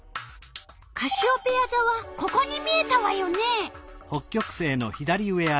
カシオペヤざはここに見えたわよね。